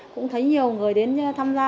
cũng thấy nhiều người đến tham gia